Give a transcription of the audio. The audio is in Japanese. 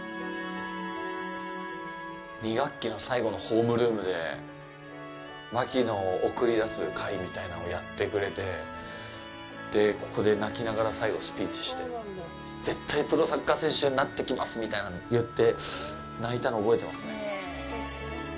２学期の最後のホームルームで槙野を送り出す会みたいなんをやってくれて、ここで泣きながら最後スピーチして絶対プロサッカー選手になってきますみたいなの言って泣いたの覚えてますね。